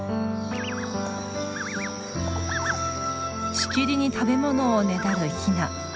しきりに食べ物をねだるヒナ。